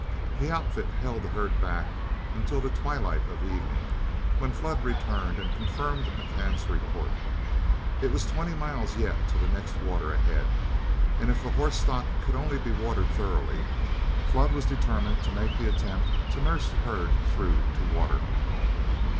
The outfit held the herd back until the twilight of evening, when Flood returned and confirmed McCann's report. It was twenty miles yet to the next water ahead, and if the horse stock could only be watered thoroughly, Flood was determined to make the attempt to nurse the herd through to water.